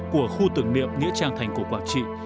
của khu tưởng niệm nghĩa trang thành cổ quảng trị